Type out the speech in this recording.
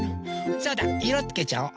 そうだいろつけちゃおう。